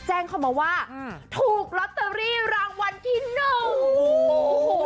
แจ้งเขามาว่าถูกลอตเตอรี่รางวัลที่หนึ่งโอ้โห